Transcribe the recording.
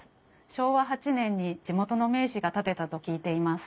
昭和８年に地元の名士が建てたと聞いています。